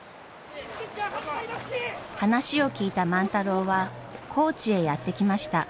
話を聞いた万太郎は高知へやって来ました。